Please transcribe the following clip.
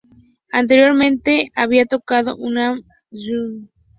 Anteriormente había tocado en Aram und die Schaffner.